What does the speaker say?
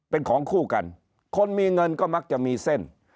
เป็นของคู่กันคนมีเงินก็มักจะมีเส้น